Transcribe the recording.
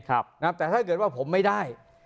แต่ถ้าเกิดว่าผมไม่ได้